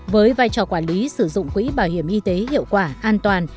với vai trò quản lý sử dụng quỹ bảo hiểm y tế hiệu quả an toàn